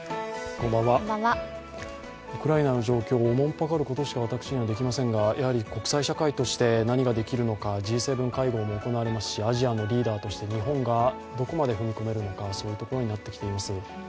ウクライナの状況をおもんぱかることしか私にはできませんがやはり国際社会として何ができるのか、Ｇ７会合も行われますし、アジアのリーダーとして日本がどこまで踏み込めるのか、そういうところになってきています。